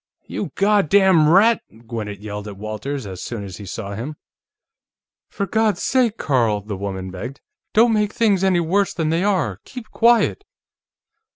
"You goddam rat!" Gwinnett yelled at Walters, as soon as he saw him. "For God's sake, Carl," the woman begged. "Don't make things any worse than they are. Keep quiet!"